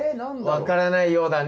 分からないようだね。